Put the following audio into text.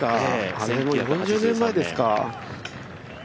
あれ、もう４０年前ですか。